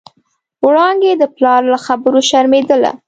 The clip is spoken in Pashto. وړانګې د پلار له خبرو شرمېدله.